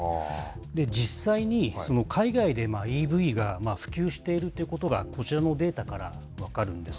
実際に、海外でＥＶが普及してるということが、こちらのデータから分かるんです。